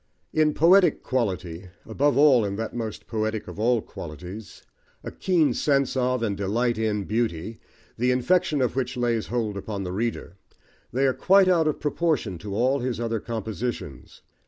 In poetic quality, above all in that most poetic of all qualities, a keen sense of, and delight in beauty, the infection of which lays hold upon the reader, they are quite out of proportion to all his other compositions.